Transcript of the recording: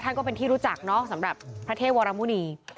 ก็เป็นที่รู้จักเนาะสำหรับพระเทพวรมุณี